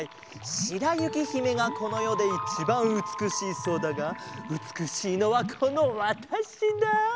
しらゆきひめがこのよでいちばんうつくしいそうだがうつくしいのはこのわたしだ。